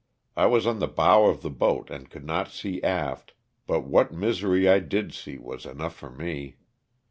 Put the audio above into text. I was on the bow of the boat and could not see aft, but what misery I did see was enough for me.